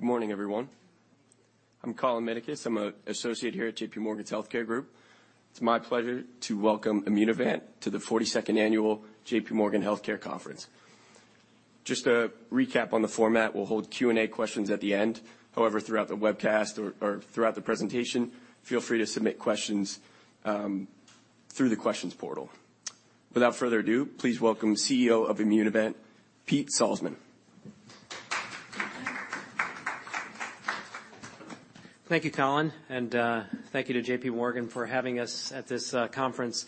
Good morning, everyone. I'm Colin Mytakis. I'm an associate here at J.P. Morgan's Healthcare Group. It's my pleasure to welcome Immunovant to the 42nd annual J.P. Morgan Healthcare Conference. Just a recap on the format, we'll hold Q&A questions at the end. However, throughout the webcast or throughout the presentation, feel free to submit questions through the Questions portal. Without further ado, please welcome CEO of Immunovant, Pete Salzmann. Thank you, Colin, and thank you to J.P. Morgan for having us at this conference.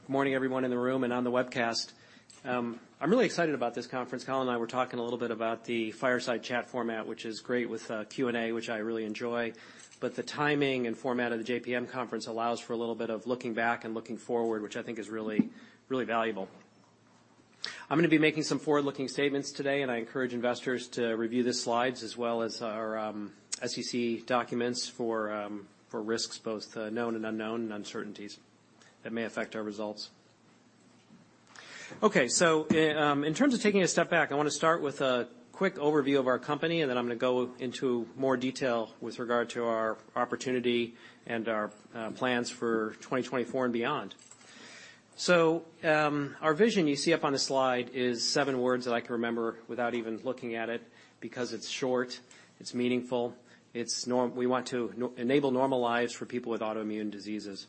Good morning, everyone in the room and on the webcast. I'm really excited about this conference. Colin and I were talking a little bit about the fireside chat format, which is great, with Q&A, which I really enjoy. But the timing and format of the JPM conference allows for a little bit of looking back and looking forward, which I think is really, really valuable. I'm gonna be making some forward-looking statements today, and I encourage investors to review the slides as well as our SEC documents for risks, both known and unknown, and uncertainties that may affect our results. Okay, so in terms of taking a step back, I wanna start with a quick overview of our company, and then I'm gonna go into more detail with regard to our opportunity and our plans for 2024 and beyond. Our vision you see up on the slide is 7 words that I can remember without even looking at it, because it's short, it's meaningful. We want to enable normal lives for people with autoimmune diseases.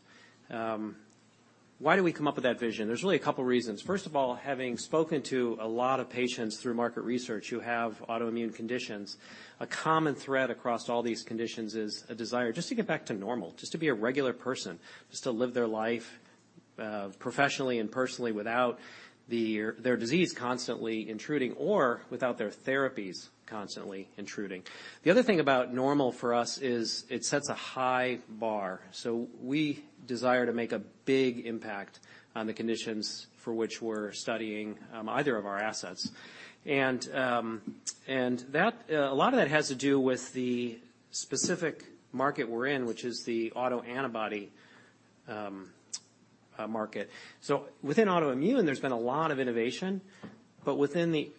Why do we come up with that vision? There's really a couple reasons. First of all, having spoken to a lot of patients through market research who have autoimmune conditions, a common thread across all these conditions is a desire just to get back to normal, just to be a regular person, just to live their life, professionally and personally, without their disease constantly intruding or without their therapies constantly intruding. The other thing about normal for us is it sets a high bar, so we desire to make a big impact on the conditions for which we're studying either of our assets. And a lot of that has to do with the specific market we're in, which is the autoantibody market. So within autoimmune, there's been a lot of innovation, but within the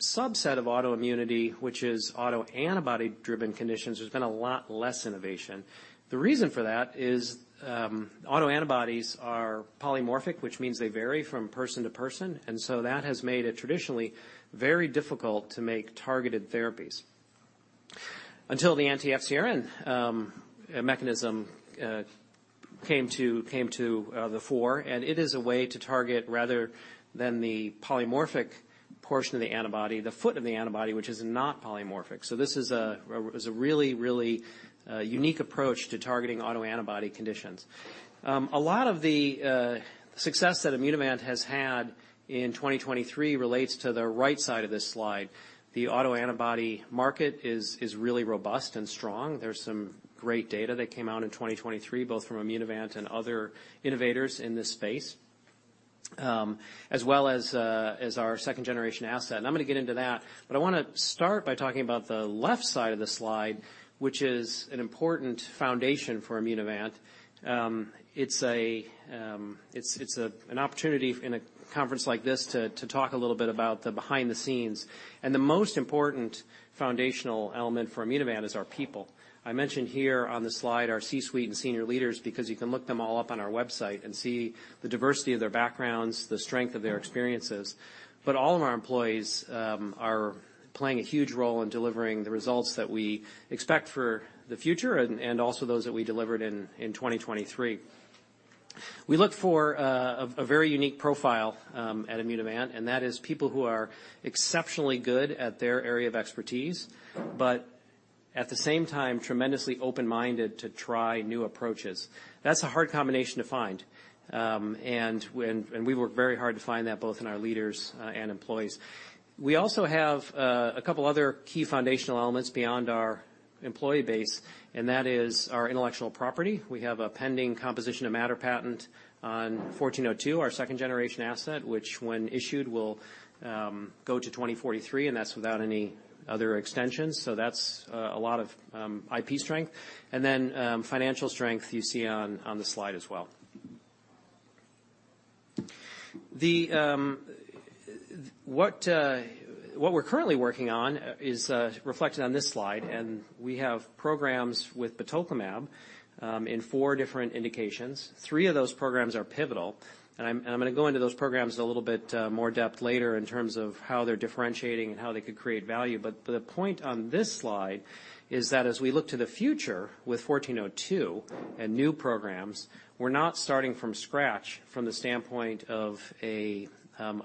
subset of autoimmunity, which is autoantibody-driven conditions, there's been a lot less innovation. The reason for that is, autoantibodies are polymorphic, which means they vary from person to person, and so that has made it traditionally very difficult to make targeted therapies. Until the anti-FcRn mechanism came to the fore, and it is a way to target, rather than the polymorphic portion of the antibody, the foot of the antibody, which is not polymorphic. So this is a really, really unique approach to targeting autoantibody conditions. A lot of the success that Immunovant has had in 2023 relates to the right side of this slide. The autoantibody market is really robust and strong. There's some great data that came out in 2023, both from Immunovant and other innovators in this space, as well as our second-generation asset, and I'm gonna get into that. But I wanna start by talking about the left side of the slide, which is an important foundation for Immunovant. It's an opportunity in a conference like this to talk a little bit about the behind the scenes, and the most important foundational element for Immunovant is our people. I mentioned here on the slide, our C-suite and senior leaders, because you can look them all up on our website and see the diversity of their backgrounds, the strength of their experiences. But all of our employees are playing a huge role in delivering the results that we expect for the future and also those that we delivered in 2023. We look for a very unique profile at Immunovant, and that is people who are exceptionally good at their area of expertise, but at the same time, tremendously open-minded to try new approaches. That's a hard combination to find, and we work very hard to find that, both in our leaders and employees. We also have a couple other key foundational elements beyond our employee base, and that is our intellectual property. We have a pending composition of matter patent on 1402, our second-generation asset, which, when issued, will go to 2043, and that's without any other extensions. So that's a lot of IP strength, and then financial strength you see on the slide as well. The... What, what we're currently working on is reflected on this slide, and we have programs with batoclimab in four different indications. Three of those programs are pivotal, and I'm gonna go into those programs in a little bit more depth later in terms of how they're differentiating and how they could create value. But the point on this slide is that as we look to the future with 1402 and new programs, we're not starting from scratch from the standpoint of a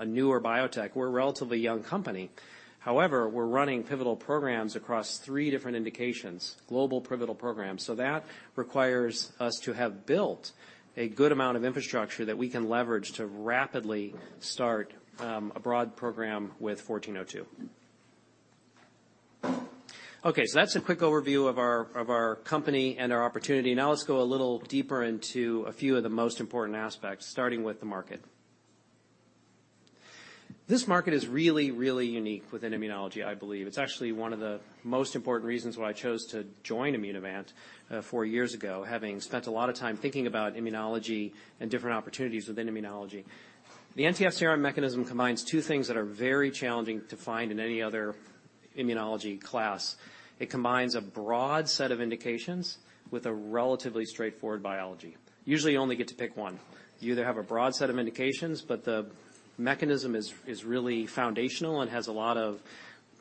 newer biotech. We're a relatively young company. However, we're running pivotal programs across three different indications, global pivotal programs. So that requires us to have built a good amount of infrastructure that we can leverage to rapidly start a broad program with 1402. Okay, so that's a quick overview of our company and our opportunity. Now, let's go a little deeper into a few of the most important aspects, starting with the market. This market is really, really unique within Immunology, I believe. It's actually one of the most important reasons why I chose to join Immunovant four years ago, having spent a lot of time thinking about Immunology and different opportunities within Immunology. The anti-FcRn mechanism combines two things that are very challenging to find in any other Immunology class. It combines a broad set of indications with a relatively straightforward biology. Usually, you only get to pick one. You either have a broad set of indications, but the mechanism is really foundational and has a lot of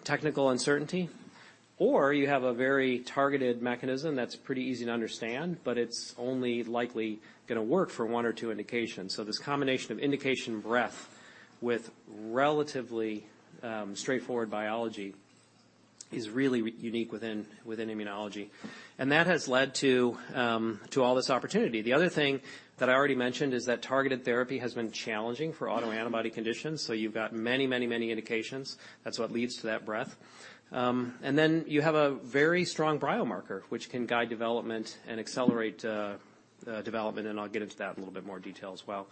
technical uncertainty, or you have a very targeted mechanism that's pretty easy to understand, but it's only likely gonna work for one or two indications. This combination of indication breadth with relatively, straightforward biology is really unique within Immunology, and that has led to all this opportunity. The other thing that I already mentioned is that targeted therapy has been challenging for autoantibody conditions, so you've got many, many, many indications. That's what leads to that breadth. And then you have a very strong biomarker, which can guide development and accelerate development, and I'll get into that in a little bit more detail as well.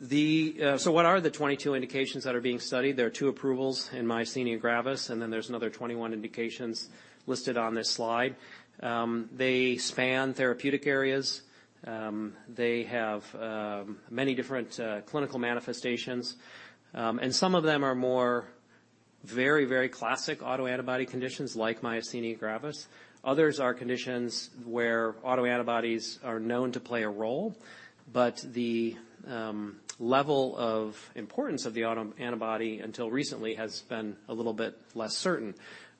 What are the 22 indications that are being studied? There are two approvals in myasthenia gravis, and then there's another 21 indications listed on this slide. They span therapeutic areas. They have many different clinical manifestations, and some of them are more very, very classic autoantibody conditions like myasthenia gravis. Others are conditions where autoantibodies are known to play a role, but the level of importance of the autoantibody until recently has been a little bit less certain.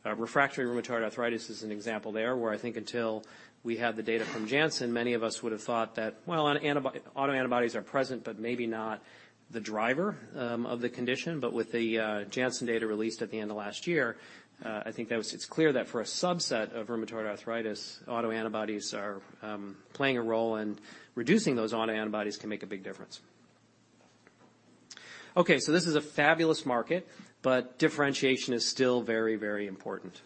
Refractory rheumatoid arthritis is an example there, where I think until we had the data from Janssen, many of us would have thought that, well, autoantibodies are present, but maybe not the driver of the condition. But with the Janssen data released at the end of last year, I think that it's clear that for a subset of rheumatoid arthritis, autoantibodies are playing a role, and reducing those autoantibodies can make a big difference. Okay, so this is a fabulous market, but differentiation is still very, very important.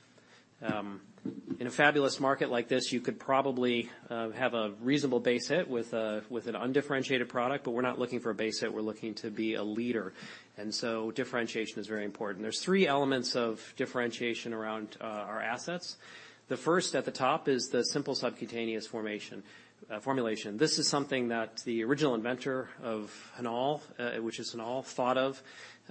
In a fabulous market like this, you could probably have a reasonable base hit with an undifferentiated product, but we're not looking for a base hit. We're looking to be a leader, and so differentiation is very important. There's three elements of differentiation around our assets. The first at the top is the simple subcutaneous formulation. This is something that the original inventor of HanAll, which is HanAll, thought of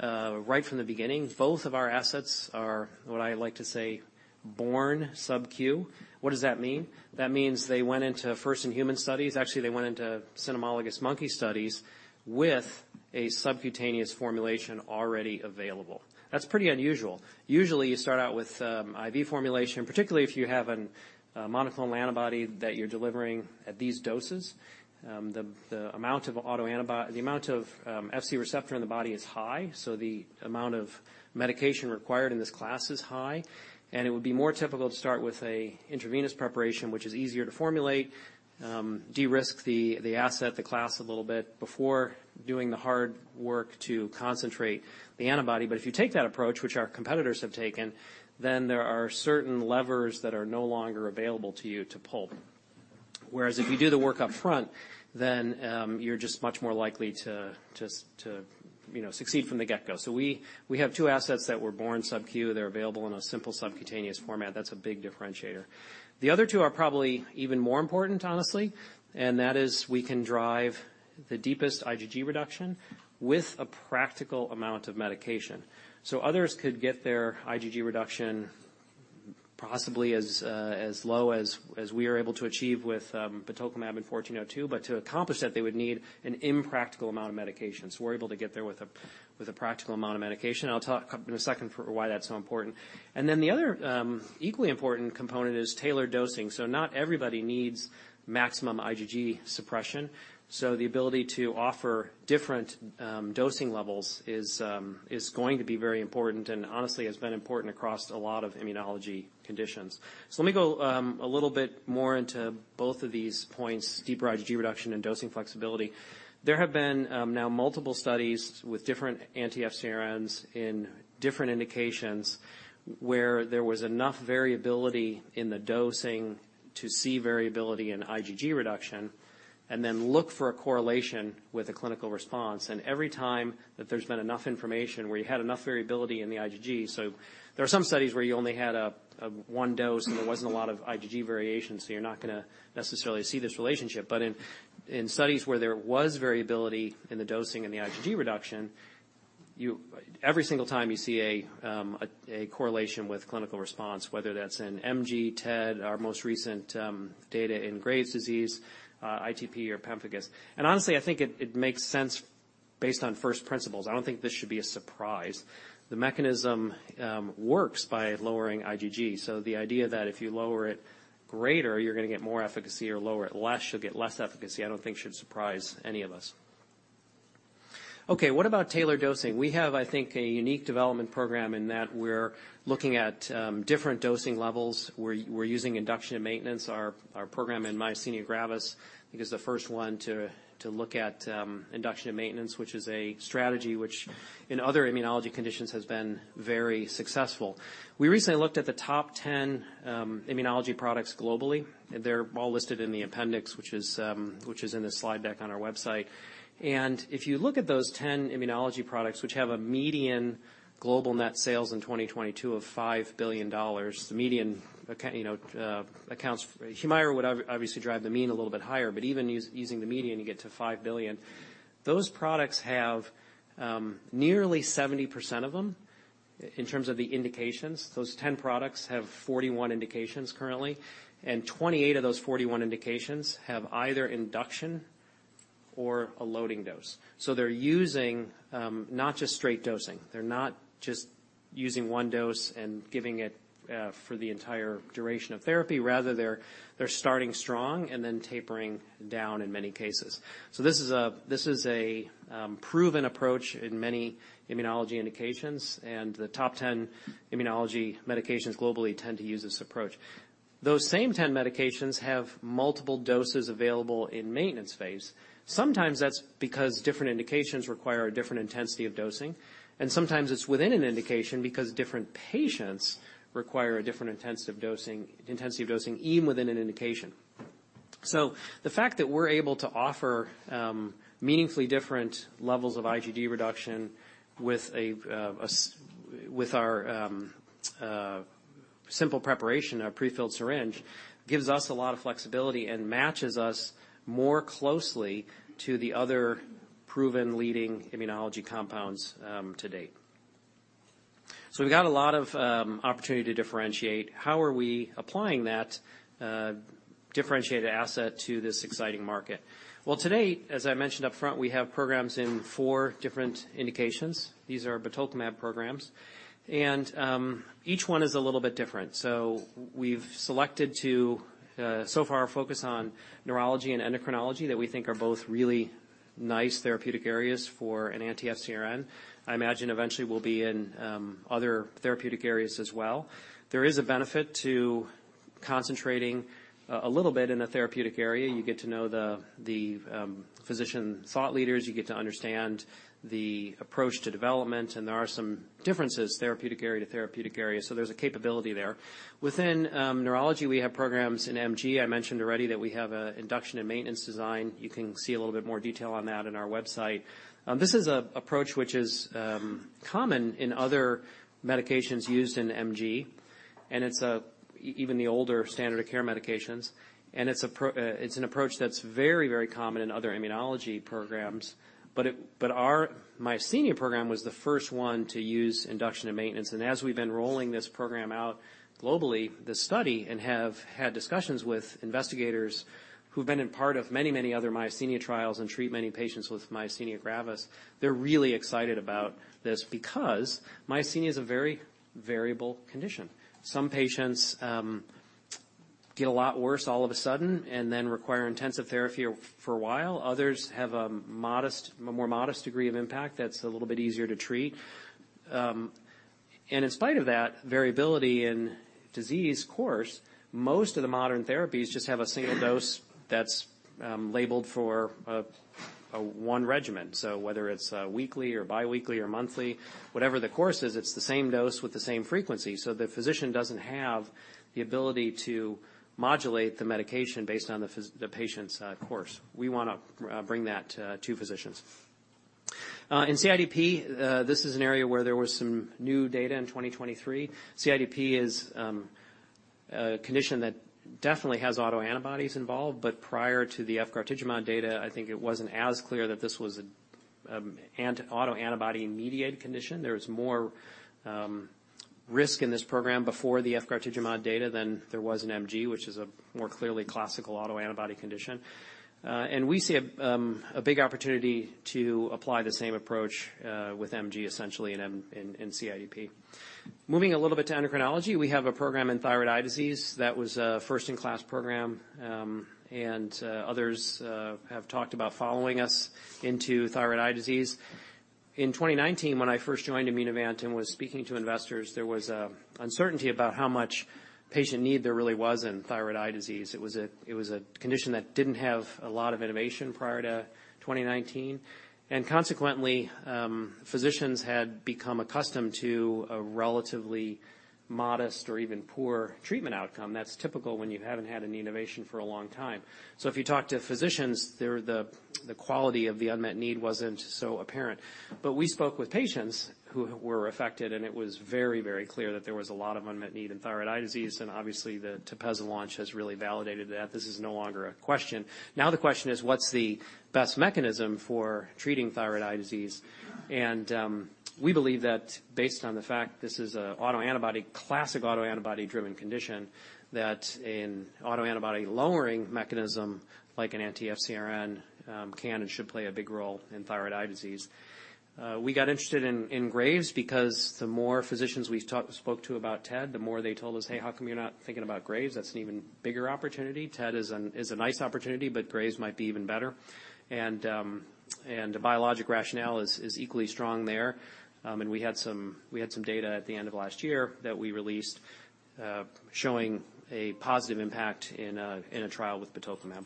right from the beginning. Both of our assets are, what I like to say, born subQ. What does that mean? That means they went into first-in-human studies. Actually, they went into cynomolgus monkey studies with a subcutaneous formulation already available. That's pretty unusual. Usually, you start out with IV formulation, particularly if you have a monoclonal antibody that you're delivering at these doses. The amount of Fc receptor in the body is high, so the amount of medication required in this class is high, and it would be more typical to start with a intravenous preparation, which is easier to formulate, de-risk the asset, the class a little bit before doing the hard work to concentrate the antibody. But if you take that approach, which our competitors have taken, then there are certain levers that are no longer available to you to pull. Whereas if you do the work upfront, then you're just much more likely to just, to, you know, succeed from the get-go. So we have two assets that were born subQ. They're available in a simple subcutaneous format. That's a big differentiator. The other two are probably even more important, honestly, and that is we can drive the deepest IgG reduction with a practical amount of medication. So others could get their IgG reduction possibly as low as we are able to achieve with batoclimab in 1402, but to accomplish that, they would need an impractical amount of medication. So we're able to get there with a practical amount of medication. I'll talk in a second for why that's so important. And then the other equally important component is tailored dosing. So not everybody needs maximum IgG suppression. So the ability to offer different dosing levels is going to be very important and honestly, has been important across a lot of Immunology conditions. So let me go a little bit more into both of these points, deep IgG reduction and dosing flexibility. There have been now multiple studies with different anti-FcRn in different indications, where there was enough variability in the dosing to see variability in IgG reduction, and then look for a correlation with a clinical response. And every time that there's been enough information, where you had enough variability in the IgG... So there are some studies where you only had a one dose, and there wasn't a lot of IgG variation, so you're not gonna necessarily see this relationship. But in studies where there was variability in the dosing and the IgG reduction, you every single time you see a correlation with clinical response, whether that's in MG, TED, our most recent data in Graves' disease, ITP, or pemphigus. Honestly, I think it makes sense based on first principles. I don't think this should be a surprise. The mechanism works by lowering IgG, so the idea that if you lower it greater, you're gonna get more efficacy or lower it less, you'll get less efficacy, I don't think should surprise any of us. Okay, what about tailored dosing? We have, I think, a unique development program in that we're looking at different dosing levels. We're using induction and maintenance. Our program in myasthenia gravis, I think, is the first one to look at induction and maintenance, which is a strategy which in other Immunology conditions has been very successful. We recently looked at the top 10 Immunology products globally, and they're all listed in the appendix, which is in the slide deck on our website. If you look at those 10 Immunology products, which have a median global net sales in 2022 of $5 billion, the median account, you know, accounts—Humira would obviously drive the mean a little bit higher, but even using the median, you get to $5 billion. Those products have nearly 70% of them in terms of the indications. Those 10 products have 41 indications currently, and 28 of those 41 indications have either induction or a loading dose. So they're using not just straight dosing. They're not just using one dose and giving it for the entire duration of therapy. Rather, they're starting strong and then tapering down in many cases. So this is a proven approach in many Immunology indications, and the top 10 Immunology medications globally tend to use this approach. Those same 10 medications have multiple doses available in maintenance phase. Sometimes that's because different indications require a different intensity of dosing, and sometimes it's within an indication because different patients require a different intensive dosing, intensity of dosing, even within an indication. So the fact that we're able to offer meaningfully different levels of IgG reduction with a simple preparation, our pre-filled syringe, gives us a lot of flexibility and matches us more closely to the other proven leading immunology compounds to date. So we've got a lot of opportunity to differentiate. How are we applying that differentiated asset to this exciting market? Well, to date, as I mentioned up front, we have programs in four different indications. These are batoclimab programs, and each one is a little bit different. So we've selected to so far focus on neurology and endocrinology, that we think are both really nice therapeutic areas for an anti-FcRn. I imagine eventually we'll be in other therapeutic areas as well. There is a benefit to concentrating a little bit in a therapeutic area. You get to know the physician thought leaders. You get to understand the approach to development, and there are some differences, therapeutic area to therapeutic area, so there's a capability there. Within neurology, we have programs in MG. I mentioned already that we have an induction and maintenance design. You can see a little bit more detail on that in our website. This is an approach which is common in other medications used in MG, and it's even the older standard of care medications. It's an approach that's very, very common in other Immunology programs. But our myasthenia program was the first one to use induction and maintenance, and as we've been rolling this program out globally and have had discussions with investigators who've been in part of many, many other myasthenia trials and treat many patients with myasthenia gravis, they're really excited about this because myasthenia is a very variable condition. Some patients get a lot worse all of a sudden and then require intensive therapy for a while. Others have a more modest degree of impact that's a little bit easier to treat. And in spite of that variability in disease course, most of the modern therapies just have a single dose that's labeled for a one regimen. So whether it's weekly or biweekly or monthly, whatever the course is, it's the same dose with the same frequency. So the physician doesn't have the ability to modulate the medication based on the patient's course. We wanna bring that to physicians. In CIDP, this is an area where there was some new data in 2023. CIDP is a condition that definitely has autoantibodies involved, but prior to the efgartigimod data, I think it wasn't as clear that this was an autoantibody-mediated condition. There was more risk in this program before the efgartigimod data than there was in MG, which is a more clearly classical autoantibody condition. And we see a big opportunity to apply the same approach with MG, essentially, in CIDP. Moving a little bit to endocrinology, we have a program in thyroid eye disease that was a first-in-class program, and others have talked about following us into thyroid eye disease. In 2019, when I first joined Immunovant and was speaking to investors, there was a uncertainty about how much patient need there really was in thyroid eye disease. It was a condition that didn't have a lot of innovation prior to 2019, and consequently, physicians had become accustomed to a relatively modest or even poor treatment outcome. That's typical when you haven't had an innovation for a long time. So if you talk to physicians, they're... the quality of the unmet need wasn't so apparent. But we spoke with patients who were affected, and it was very, very clear that there was a lot of unmet need in thyroid eye disease, and obviously, the Tepezza launch has really validated that. This is no longer a question. Now, the question is, what's the best mechanism for treating thyroid eye disease? And we believe that based on the fact this is a autoantibody, classic autoantibody-driven condition, that an autoantibody-lowering mechanism, like an anti-FcRn, can and should play a big role in thyroid eye disease. We got interested in Graves because the more physicians we talked to about TED, the more they told us: "Hey, how come you're not thinking about Graves? That's an even bigger opportunity. TED is a nice opportunity, but Graves might be even better." And the biologic rationale is equally strong there. And we had some data at the end of last year that we released, showing a positive impact in a trial with batoclimab.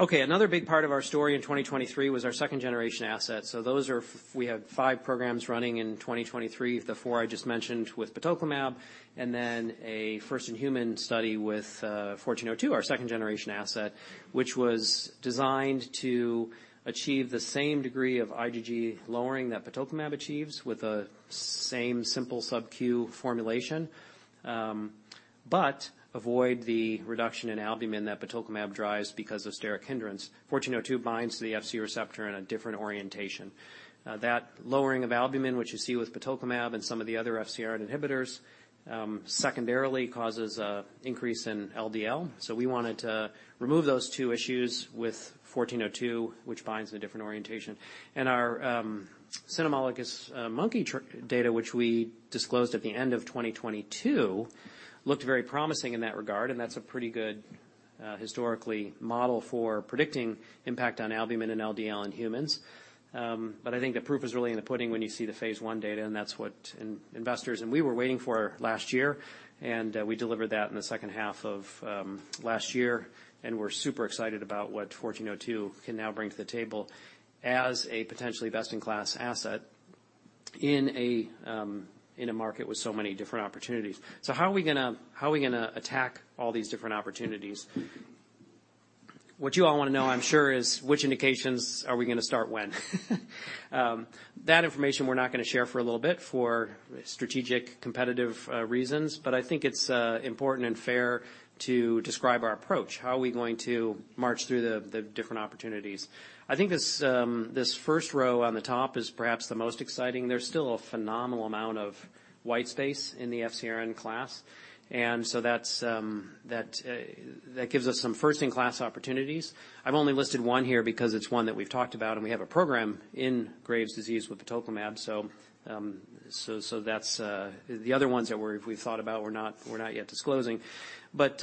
Okay, another big part of our story in 2023 was our second-generation asset. So we have 5 programs running in 2023, the 4 I just mentioned with batoclimab, and then a first-in-human study with 1402, our second-generation asset, which was designed to achieve the same degree of IgG lowering that batoclimab achieves with a same simple subQ formulation. But avoid the reduction in albumin that batoclimab drives because of steric hindrance. 1402 binds to the Fc receptor in a different orientation. That lowering of albumin, which you see with batoclimab and some of the other FcRn inhibitors, secondarily causes an increase in LDL. So we wanted to remove those two issues with 1402, which binds in a different orientation. And our cynomolgus monkey data, which we disclosed at the end of 2022, looked very promising in that regard, and that's a pretty good historical model for predicting impact on albumin and LDL in humans. But I think the proof is really in the pudding when you see the phase 1 data, and that's what investors and we were waiting for last year, and we delivered that in the second half of last year. And we're super excited about what 1402 can now bring to the table as a potentially best-in-class asset in a market with so many different opportunities. So how are we gonna attack all these different opportunities? What you all want to know, I'm sure, is which indications are we gonna start when? That information we're not gonna share for a little bit for strategic, competitive reasons, but I think it's important and fair to describe our approach. How are we going to march through the different opportunities? I think this first row on the top is perhaps the most exciting. There's still a phenomenal amount of white space in the FcRn class, and so that gives us some first-in-class opportunities. I've only listed one here because it's one that we've talked about, and we have a program in Graves' disease with batoclimab. So that's the other ones that we've thought about, we're not yet disclosing. But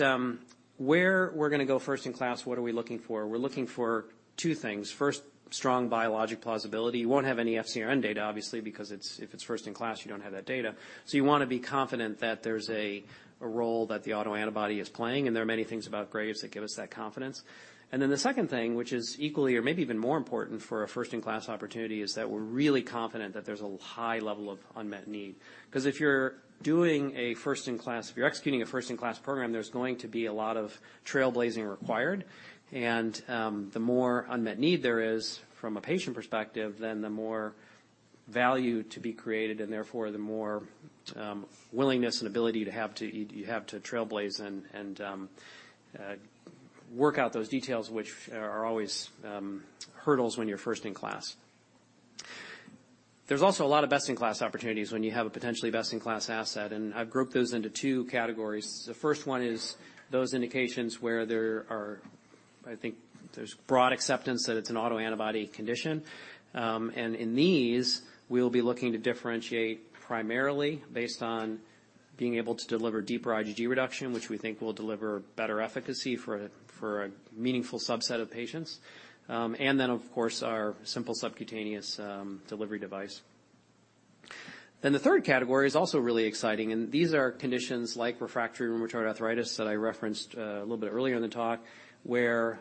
where we're gonna go first in class, what are we looking for? We're looking for two things. First, strong biologic plausibility. You won't have any FcRn data, obviously, because it's, if it's first in class, you don't have that data. So you wanna be confident that there's a role that the autoantibody is playing, and there are many things about Graves' that give us that confidence. And then the second thing, which is equally or maybe even more important for a first-in-class opportunity, is that we're really confident that there's a high level of unmet need. Because if you're doing a first-in-class, if you're executing a first-in-class program, there's going to be a lot of trailblazing required. The more unmet need there is from a patient perspective, then the more value to be created, and therefore, the more willingness and ability to have to, you have to trailblaze and work out those details, which are always hurdles when you're first in class. There's also a lot of best-in-class opportunities when you have a potentially best-in-class asset, and I've grouped those into two categories. The first one is those indications where there are... I think there's broad acceptance that it's an autoantibody condition. And in these, we'll be looking to differentiate primarily based on being able to deliver deeper IgG reduction, which we think will deliver better efficacy for a meaningful subset of patients. And then, of course, our simple subcutaneous delivery device. Then the third category is also really exciting, and these are conditions like refractory rheumatoid arthritis that I referenced a little bit earlier in the talk, where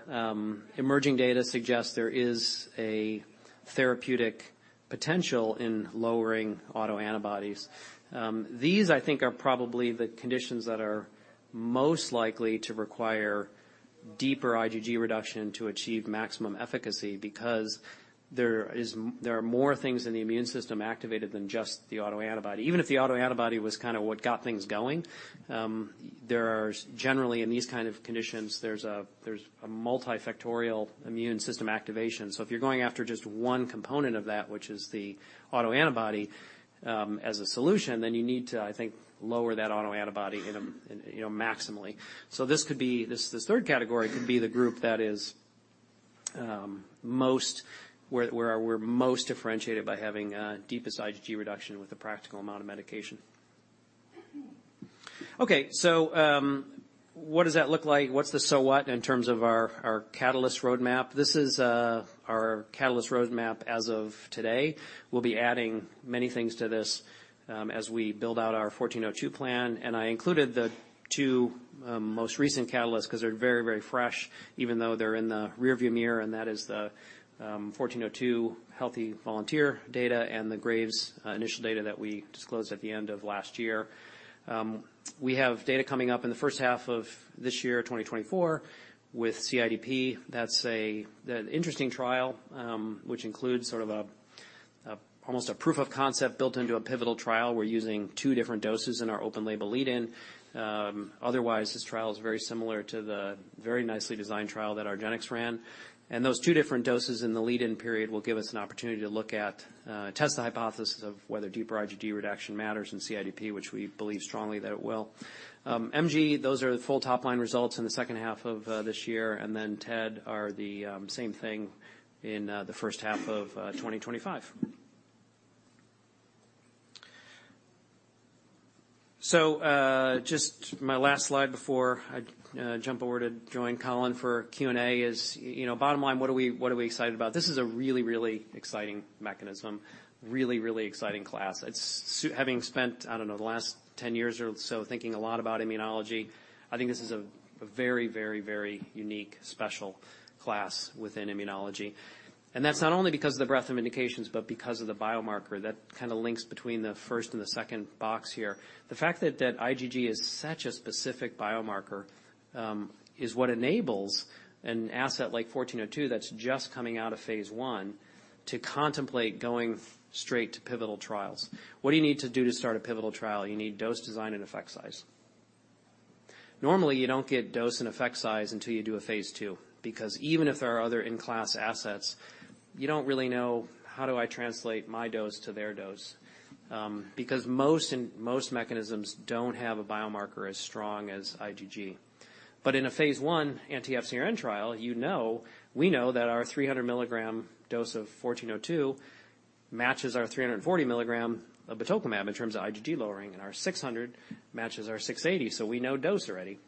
emerging data suggests there is a therapeutic potential in lowering autoantibodies. These, I think, are probably the conditions that are most likely to require deeper IgG reduction to achieve maximum efficacy because there are more things in the immune system activated than just the autoantibody. Even if the autoantibody was kind of what got things going, there are generally in these kind of conditions, there's a multifactorial immune system activation. So if you're going after just one component of that, which is the autoantibody, as a solution, then you need to, I think, lower that autoantibody in, you know, maximally. So this could be... This third category could be the group that is most where we're most differentiated by having deepest IgG reduction with a practical amount of medication. Okay, so what does that look like? What's the so what in terms of our catalyst roadmap? This is our catalyst roadmap as of today. We'll be adding many things to this as we build out our 1402 plan, and I included the two most recent catalysts because they're very, very fresh, even though they're in the rearview mirror, and that is the 1402 healthy volunteer data and the Graves' initial data that we disclosed at the end of last year. We have data coming up in the first half of this year, 2024, with CIDP. That's the interesting trial, which includes sort of almost a proof of concept built into a pivotal trial. We're using two different doses in our open-label lead-in. Otherwise, this trial is very similar to the very nicely designed trial that argenx ran. And those two different doses in the lead-in period will give us an opportunity to look at, test the hypothesis of whether deeper IgG reduction matters in CIDP, which we believe strongly that it will. MG, those are the full top-line results in the second half of this year, and then TED are the same thing in the first half of 2025. So, just my last slide before I jump over to join Colin for Q&A is, you know, bottom line, what are we excited about? This is a really, really exciting mechanism. Really, really exciting class. It's having spent, I don't know, the last 10 years or so, thinking a lot about Immunology, I think this is a very, very, very unique, special class within Immunology. And that's not only because of the breadth of indications, but because of the biomarker. That kind of links between the first and the second box here. The fact that IgG is such a specific biomarker is what enables an asset like 1402 that's just coming out of phase 1 to contemplate going straight to pivotal trials. What do you need to do to start a pivotal trial? You need dose design and effect size. Normally, you don't get dose and effect size until you do a phase 2, because even if there are other in-class assets, you don't really know, how do I translate my dose to their dose? Because most mechanisms don't have a biomarker as strong as IgG. But in a phase 1 anti-FcRn trial, you know, we know that our 300 milligram dose of 1402 matches our 340 milligram of batoclimab in terms of IgG lowering, and our 600 matches our 680, so we know dose already.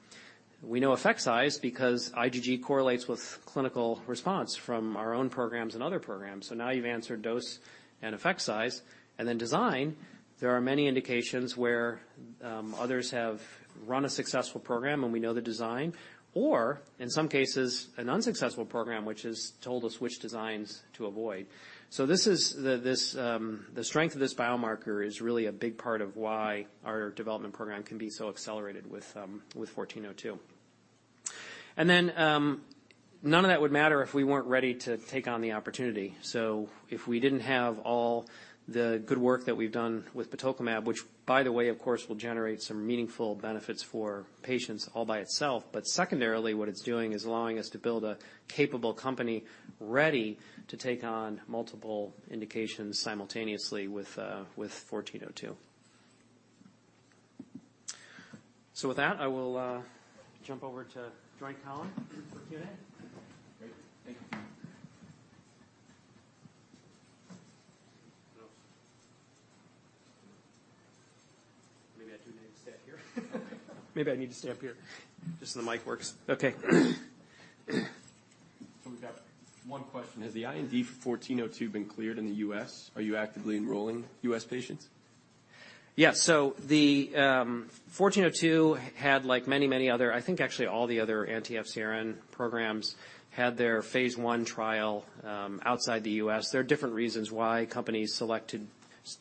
We know effect size because IgG correlates with clinical response from our own programs and other programs. So now you've answered dose and effect size, and then design, there are many indications where others have run a successful program, and we know the design, or in some cases, an unsuccessful program, which has told us which designs to avoid. So this is the strength of this biomarker is really a big part of why our development program can be so accelerated with 1402. And then none of that would matter if we weren't ready to take on the opportunity. So if we didn't have all the good work that we've done with batoclimab, which, by the way, of course, will generate some meaningful benefits for patients all by itself. But secondarily, what it's doing is allowing us to build a capable company, ready to take on multiple indications simultaneously with 1402. So with that, I will jump over to join Colin for Q&A. Great. Thank you. Maybe I do need to stand here. Maybe I need to stand up here just so the mic works. Okay. We've got one question: Has the IND for 1402 been cleared in the U.S.? Are you actively enrolling U.S. patients? Yeah, so the 1402 had like many, many other... I think actually all the other anti-FcRn programs had their phase 1 trial outside the U.S. There are different reasons why companies select to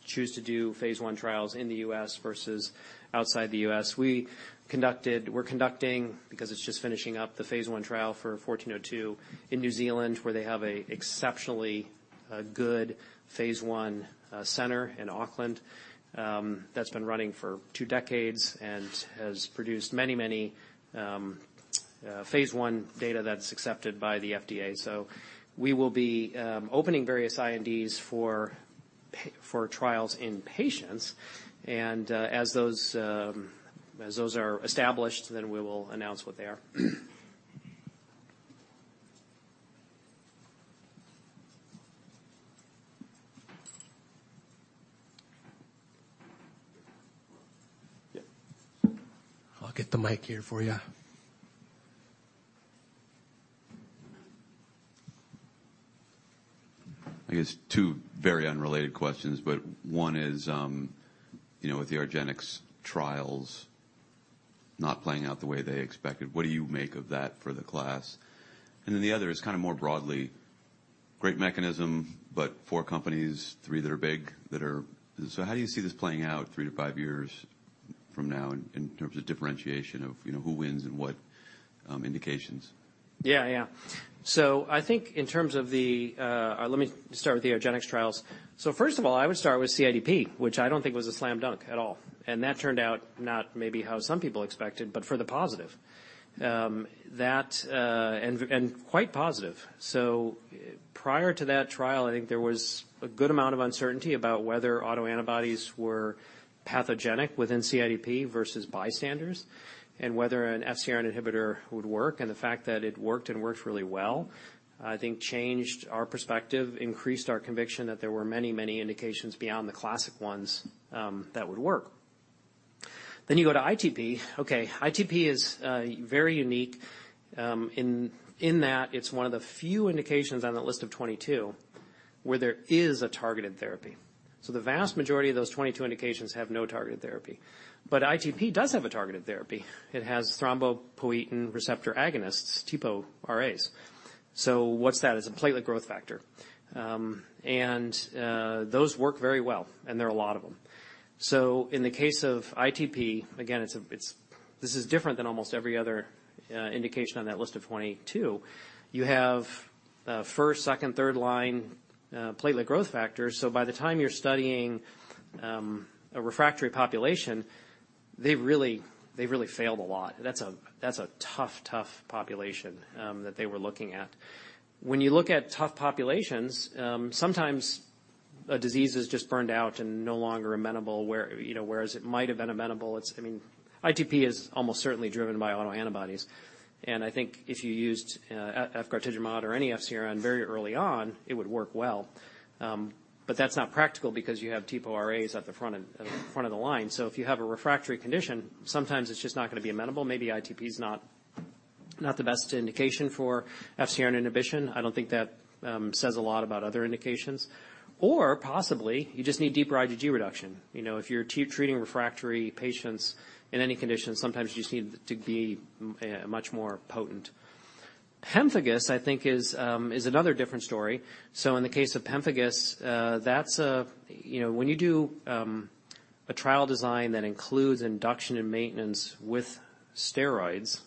choose to do phase 1 trials in the U.S. versus outside the U.S. We're conducting, because it's just finishing up, the phase 1 trial for 1402 in New Zealand, where they have an exceptionally good phase 1 center in Auckland that's been running for two decades and has produced many, many phase 1 data that's accepted by the FDA. So we will be opening various INDs for trials in patients, and as those are established, then we will announce what they are. I'll get the mic here for you. I guess two very unrelated questions, but one is, you know, with the argenx trials not playing out the way they expected, what do you make of that for the class? And then the other is kind of more broadly, great mechanism, but four companies, three that are big, that are... So how do you see this playing out three to five years from now in, in terms of differentiation of, you know, who wins and what indications? Yeah, yeah. So I think in terms of the, let me start with the argenx trials. So first of all, I would start with CIDP, which I don't think was a slam dunk at all, and that turned out not maybe how some people expected, but for the positive. That and quite positive. So prior to that trial, I think there was a good amount of uncertainty about whether autoantibodies were pathogenic within CIDP versus bystanders, and whether an FcRn inhibitor would work, and the fact that it worked and worked really well, I think changed our perspective, increased our conviction that there were many, many indications beyond the classic ones, that would work. Then you go to ITP. Okay, ITP is very unique in that it's one of the few indications on that list of 22 where there is a targeted therapy. So the vast majority of those 22 indications have no targeted therapy. But ITP does have a targeted therapy. It has thrombopoietin receptor agonists, TPO-RAs. So what's that? It's a platelet growth factor. And those work very well, and there are a lot of them. So in the case of ITP, again, this is different than almost every other indication on that list of 22. You have first, second, third line platelet growth factors. So by the time you're studying a refractory population, they've really, they've really failed a lot. That's a tough, tough population that they were looking at. When you look at tough populations, sometimes a disease is just burned out and no longer amenable, you know, whereas it might have been amenable. It's, I mean, ITP is almost certainly driven by autoantibodies, and I think if you used efgartigimod or any FcRn very early on, it would work well. But that's not practical because you have TPO-RAs at the front of the line. So if you have a refractory condition, sometimes it's just not going to be amenable. Maybe ITP is not the best indication for FcRn inhibition. I don't think that says a lot about other indications. Or possibly, you just need deeper IgG reduction. You know, if you're treating refractory patients in any condition, sometimes you just need to be much more potent. Pemphigus, I think, is another different story. So in the case of pemphigus, that's, you know, when you do a trial design that includes induction and maintenance with steroids,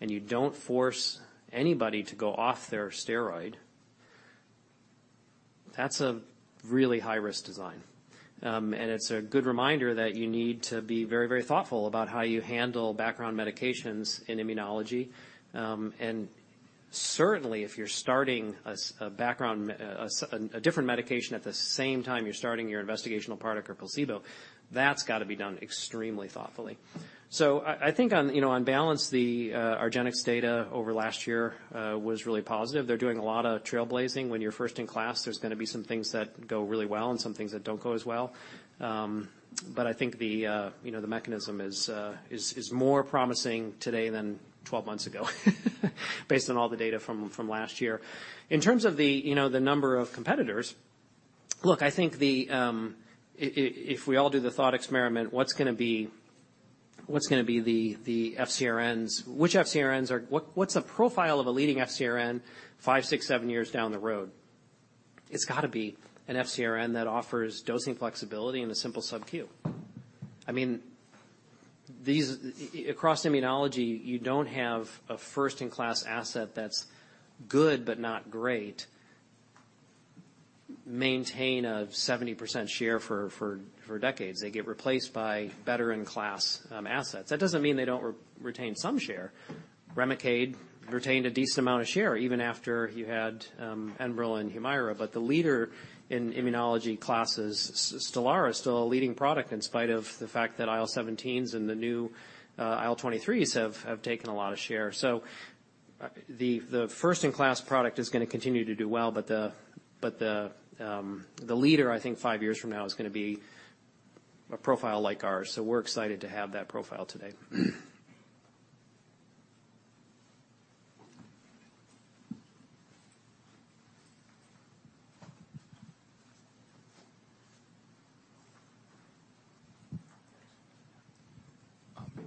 and you don't force anybody to go off their steroid, that's a really high-risk design. And it's a good reminder that you need to be very, very thoughtful about how you handle background medications in immunology. And certainly, if you're starting a different medication at the same time you're starting your investigational product or placebo, that's got to be done extremely thoughtfully. So I think, you know, on balance, the argenx data over last year was really positive. They're doing a lot of trailblazing. When you're first in class, there's gonna be some things that go really well and some things that don't go as well. But I think you know, the mechanism is more promising today than 12 months ago, based on all the data from last year. In terms of you know, the number of competitors, look, I think if we all do the thought experiment, what's gonna be the FcRns? What's the profile of a leading FcRn 5, 6, 7 years down the road? It's got to be an FcRn that offers dosing flexibility and a simple subQ. I mean, these across Immunology, you don't have a first-in-class asset that's good but not great maintain a 70% share for decades. They get replaced by better-in-class assets. That doesn't mean they don't retain some share. Remicade retained a decent amount of share, even after you had, Enbrel and Humira. But the leader in Immunology classes, Stelara, is still a leading product in spite of the fact that IL-17s and the new, IL-23s have taken a lot of share. So, the first-in-class product is gonna continue to do well, but the leader, I think five years from now, is gonna be a profile like ours, so we're excited to have that profile today.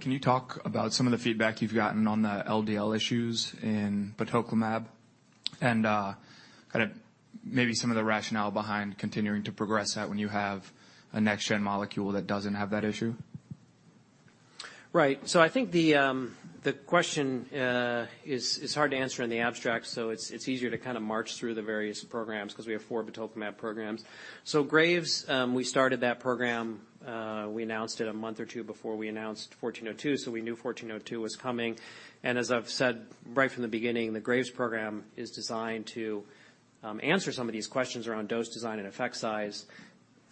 Can you talk about some of the feedback you've gotten on the LDL issues in batoclimab and, kind of maybe some of the rationale behind continuing to progress that when you have a next-gen molecule that doesn't have that issue? Right. So I think the question is hard to answer in the abstract, so it's easier to kind of march through the various programs because we have four batoclimab programs. So Graves’, we started that program, we announced it a month or two before we announced 1402, so we knew 1402 was coming. And as I've said right from the beginning, the Graves’ program is designed to answer some of these questions around dose design and effect size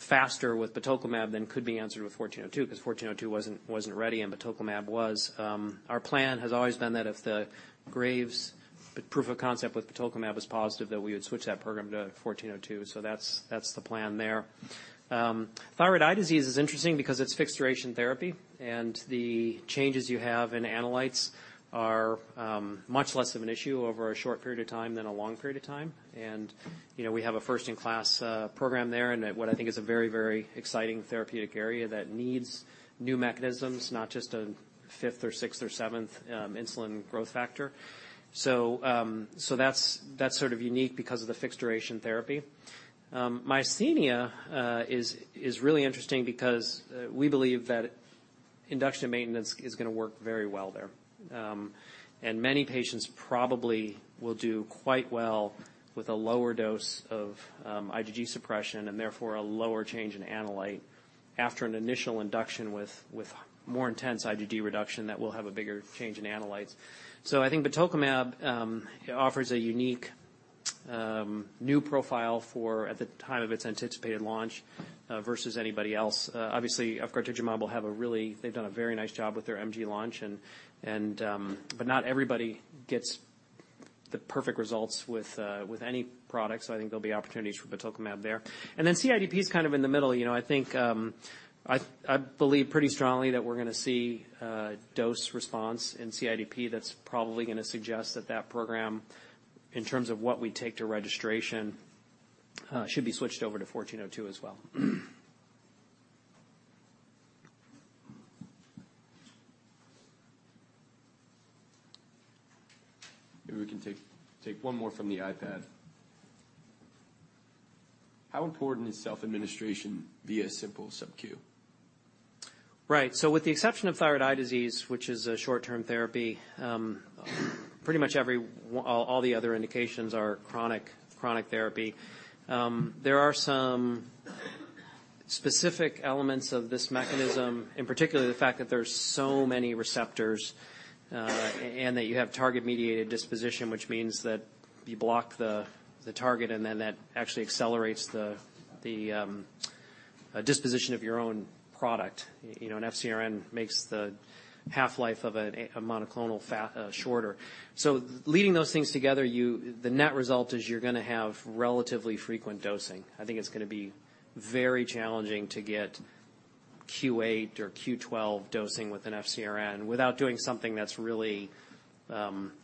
faster with batoclimab than could be answered with 1402, because 1402 wasn't ready, and batoclimab was. Our plan has always been that if the Graves’... the proof of concept with batoclimab was positive, that we would switch that program to 1402. So that's the plan there. Thyroid eye disease is interesting because it's fixed-duration therapy, and the changes you have in analytes are much less of an issue over a short period of time than a long period of time. And, you know, we have a first-in-class program there and what I think is a very, very exciting therapeutic area that needs new mechanisms, not just a fifth or sixth or seventh insulin-like growth factor. So that's sort of unique because of the fixed-duration therapy. Myasthenia is really interesting because we believe that induction maintenance is gonna work very well there. And many patients probably will do quite well with a lower dose of IgG suppression and therefore a lower change in analyte after an initial induction with more intense IgG reduction that will have a bigger change in analytes. So I think batoclimab offers a unique new profile for at the time of its anticipated launch versus anybody else. Obviously, efgartigimod will have a really... They've done a very nice job with their MG launch and but not everybody gets the perfect results with any product. So I think there'll be opportunities for batoclimab there. And then CIDP is kind of in the middle. You know, I think I believe pretty strongly that we're gonna see a dose response in CIDP that's probably gonna suggest that that program, in terms of what we take to registration, should be switched over to 1402 as well. Maybe we can take one more from the iPad. How important is self-administration via simple subQ? Right. So with the exception of thyroid eye disease, which is a short-term therapy, pretty much all the other indications are chronic therapy. There are some specific elements of this mechanism, and particularly the fact that there are so many receptors, and that you have target-mediated disposition, which means that you block the target, and then that actually accelerates the disposition of your own product. You know, an FcRn makes the half-life of a monoclonal antibody shorter. So putting those things together, the net result is you're gonna have relatively frequent dosing. I think it's gonna be very challenging to get Q8 or Q12 dosing with an FcRn without doing something that's really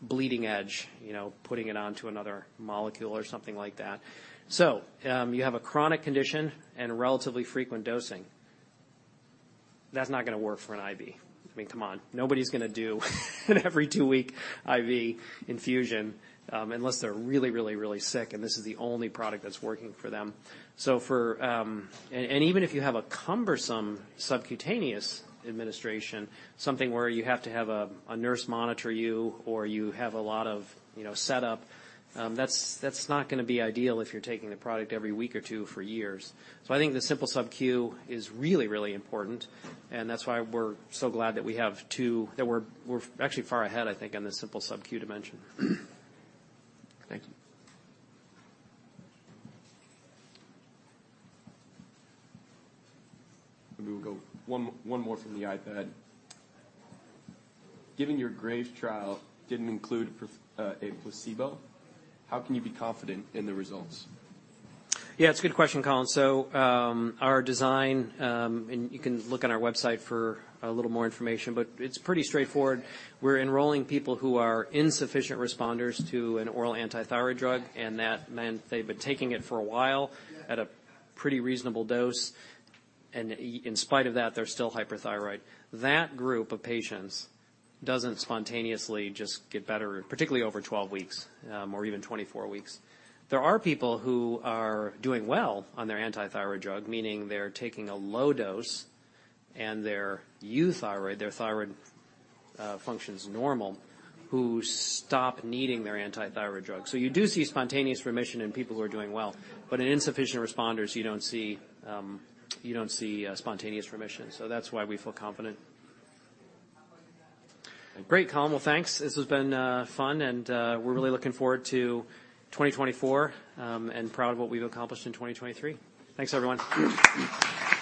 bleeding edge, you know, putting it on to another molecule or something like that. So, you have a chronic condition and relatively frequent dosing. That's not gonna work for an IV. I mean, come on, nobody's gonna do an every two-week IV infusion, unless they're really, really, really sick, and this is the only product that's working for them. So, even if you have a cumbersome subcutaneous administration, something where you have to have a nurse monitor you or you have a lot of, you know, setup, that's not gonna be ideal if you're taking the product every week or two for years. So I think the simple subQ is really, really important, and that's why we're so glad that we have two—that we're actually far ahead, I think, on the simple subQ dimension. Thank you. We will go one more from the iPad. Given your Graves' trial didn't include a placebo, how can you be confident in the results? Yeah, it's a good question, Colin. So, our design, and you can look on our website for a little more information, but it's pretty straightforward. We're enrolling people who are insufficient responders to an oral antithyroid drug, and that meant they've been taking it for a while at a pretty reasonable dose, and in spite of that, they're still hyperthyroid. That group of patients doesn't spontaneously just get better, particularly over 12 weeks, or even 24 weeks. There are people who are doing well on their antithyroid drug, meaning they're taking a low dose and their euthyroid, their thyroid function's normal, who stop needing their antithyroid drug. So you do see spontaneous remission in people who are doing well, but in insufficient responders, you don't see, you don't see spontaneous remission. So that's why we feel confident. Great, Colin. Well, thanks. This has been fun and we're really looking forward to 2024 and proud of what we've accomplished in 2023. Thanks, everyone.